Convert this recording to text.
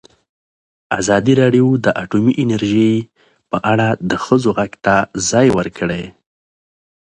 ازادي راډیو د اټومي انرژي په اړه د ښځو غږ ته ځای ورکړی.